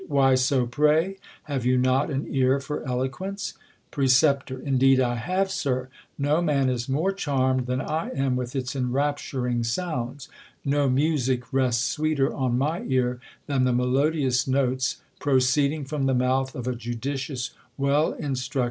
Why so, pray ? have you not an ear for elo quence ? Precep. Indeed I have, Sir. No man is more charmed than I am with its enrapturing sounds. No music rests sweeter on my ear than the melodious notes, proceeding from the mouth of a judicious, \. ell instruct ed. THE COLUMBIAN ORATOR.